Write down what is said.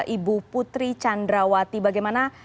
ibu putri candrawati bagaimana